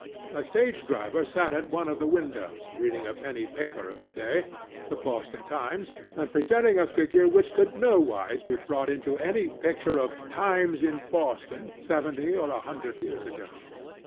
A stage driver sat at one of the windows reading a penny paper of the day—the Boston Times—and presenting a figure which could nowise be brought into any picture of "Times in Boston" seventy or a hundred years ago.